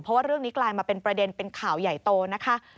เพราะว่าเรื่องนี้กลายมาเป็นประเด็นเป็นข่าวใหญ่โตนะคะ